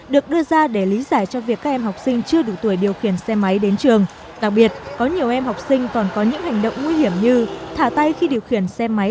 được đưa ra để lý giải cho việc các em học sinh chưa đủ tuổi điều khiển